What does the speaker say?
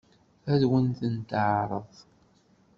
Ad wen-ten-teɛṛeḍ?